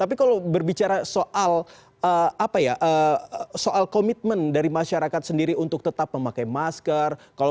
tapi kalau berbicara soal apa ya soal komitmen dari masyarakat sendiri untuk tetap memakai masker